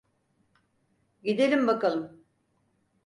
Gidelim bakalım.